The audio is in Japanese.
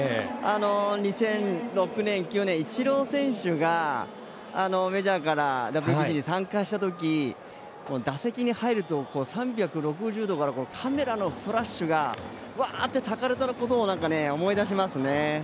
２００６年、イチロー選手がメジャーからＷＢＣに参加した時、打席に入ると３６０度からカメラのフラッシュがワーッとたかれたことも思い出しますね。